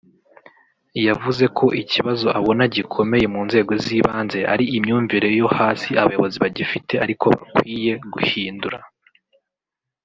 yavuze ko ikibazo abona gikomeye mu nzego z’ibanze ari imyumvire yo hasi abayobozi bagifite ariko bakwiye ghindura